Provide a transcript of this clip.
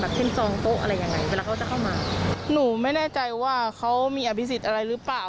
เช่นจองโต๊ะอะไรยังไงเวลาเขาจะเข้ามาหนูไม่แน่ใจว่าเขามีอภิษฎอะไรหรือเปล่า